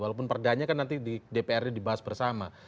walaupun perdanya kan nanti di dprd dibahas bersama